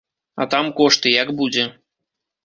А там кошты, як будзе.